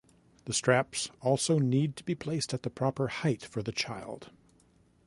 The straps also need to be placed at the proper height for the child.